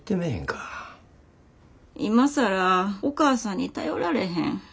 今更お母さんに頼られへん。